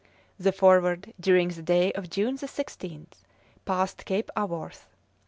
The Forward during the day of June 16th passed Cape Aworth.